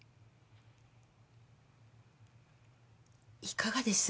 いかがです？